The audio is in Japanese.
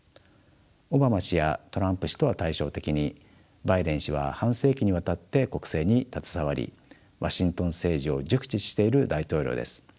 オバマ氏やトランプ氏とは対照的にバイデン氏は半世紀にわたって国政に携わりワシントン政治を熟知している大統領です。